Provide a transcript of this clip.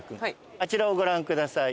あちらをご覧ください。